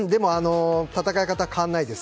戦い方、変わらないです。